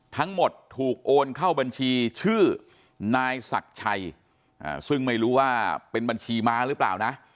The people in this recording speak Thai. ทั้งหมดถูกโอนเข้าบัญชีชื่อนายศักดิ์ชัยซึ่งไม่รู้ว่าเป็นบัญชีม้าหรือเปล่านะ